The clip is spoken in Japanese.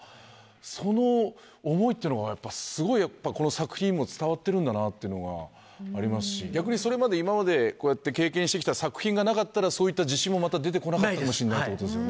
その思いっていうのがすごいこの作品にも伝わってるんだなっていうのがありますし逆に今までこうやって経験してきた作品がなかったらそういった自信も出てこなかったかもしれないってことですよね。